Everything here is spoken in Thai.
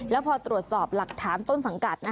แล้วพอตรวจสอบหลักฐานต้นสังกัด